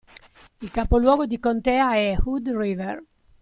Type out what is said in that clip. Il capoluogo di contea è Hood River.